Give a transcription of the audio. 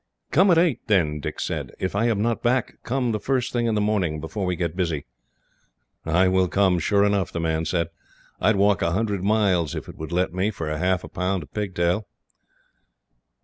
"Come at eight, then," Dick said. "If I am not back, come the first thing in the morning, before we get busy." "I will come, sure enough," the man said. "I would walk a hundred miles, if they would let me, for half a pound of pigtail."